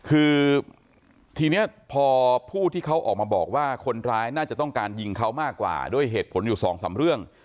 คือทีนี้พอผู้ที่เขาออกมาบอกว่าคนร้ายน่าจะต้องการยิงเขามากกว่าด้วยเหตุผลอยู่สองสามเรื่อง